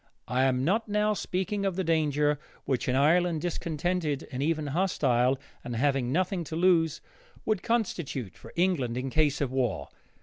I am not now speaking of the danger which an Ireland discontented, and even hostile, and having nothing to lose, would constitute for England in case of war.